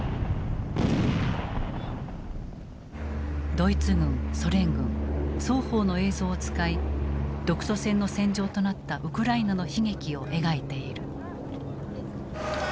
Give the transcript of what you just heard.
ドイツ軍ソ連軍双方の映像を使い独ソ戦の戦場となったウクライナの悲劇を描いている。